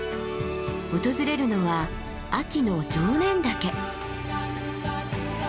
訪れるのは秋の常念岳。